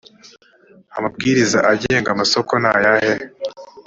amabwiriza agenga amasoko nayahe